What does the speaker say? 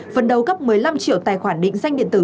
phần đầu cấp một mươi năm triệu tài khoản định danh điện tử